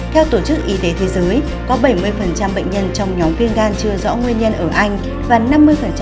theo tổ chức y tế thế giới có bảy mươi bệnh nhân trong nhóm viêm gan chưa rõ nguyên nhân ở anh